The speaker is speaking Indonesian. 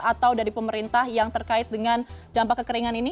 atau dari pemerintah yang terkait dengan dampak kekeringan ini